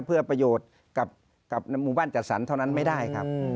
เพื่อประโยชน์กับหมู่บ้านจัดสรรเท่านั้นไม่ได้ครับ